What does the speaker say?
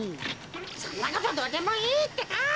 そんなことどうでもいいってか！